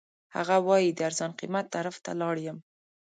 هغه وایي د ارزان قیمت طرف ته لاړ یم.